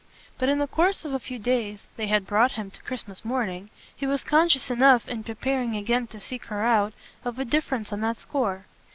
But in the course of a few days they had brought him to Christmas morning he was conscious enough, in preparing again to seek her out, of a difference on that score.